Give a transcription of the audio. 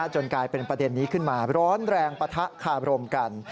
จนกลายเป็นประเด็นนี้ขึ้นมาร้อนแรงปะทะคาบรมกัน